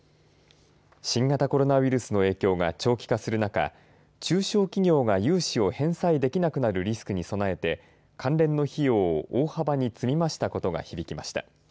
新型コロナウイルスの影響が長期化する中中小企業が融資を返済できなくなるリスクに備えて関連の費用を大幅に積み増したことが響きました。